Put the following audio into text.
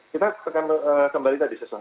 kita akan kembali tadi sesuai